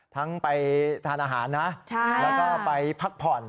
ไปทานอาหารนะแล้วก็ไปพักผ่อน